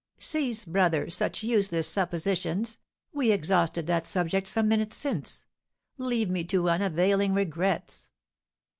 "Cease, brother, such useless suppositions, we exhausted that subject some minutes since. Leave me to unavailing regrets!"